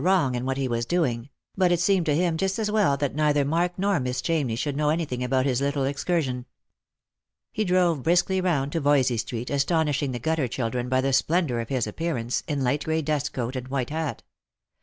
wrong in what he was doing ; but it seemed to him just as well that neither Mark nor Miss Chamney should know anything about this little excursion. He drove briskly round to Voysey street, astonishing the gutter children by the splendour of his appearance, in light grey dust coat and white hat.